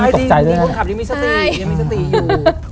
ช่วงคับยังไม่สตียังมีสตีอยู่